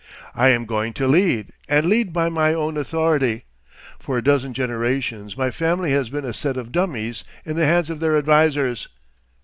I am going to lead, and lead by my own authority. For a dozen generations my family has been a set of dummies in the hands of their advisers.